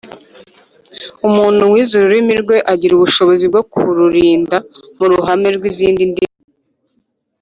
Umuntu wize ururimi rwe agira ubushobozi bwo kururinda mu ruhando rw’izindi ndimi.